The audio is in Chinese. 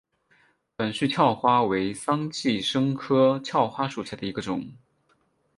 短序鞘花为桑寄生科鞘花属下的一个种。